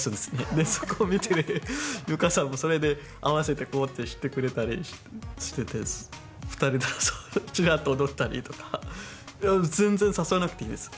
で、そこを見て、優香さんもそれで合わせてこうってしてくれたりしてて２人でダンスちらっと踊ったりとか全然、誘わなくていいんです。